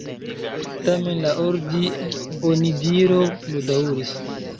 Tamen la onidiro pludaŭris.